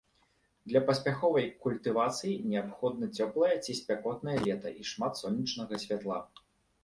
Для паспяховай культывацыі неабходна цёплае ці спякотнае лета і шмат сонечнага святла.